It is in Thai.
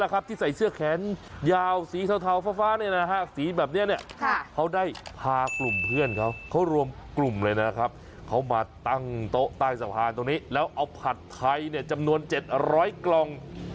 เข้ารวมเพื่อนเค้าเขารวมกลุ่มเลยนะครับเขามาตั้งโต๊ะใต้สะพานตรงนี้แล้วเอาผัดไทยเนี่ยจำนวนเจ็ดร้อยกล่อง